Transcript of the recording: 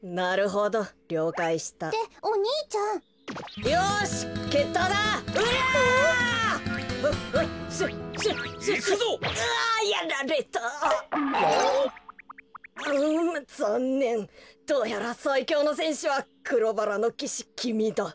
どうやらさいきょうのせんしは黒バラの騎士きみだ。